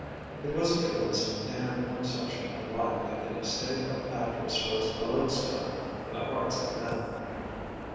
It was a truism in her conception of life that the estate of actress was a loadstone for the hearts of men.